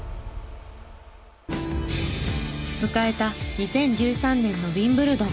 迎えた２０１３年のウィンブルドン。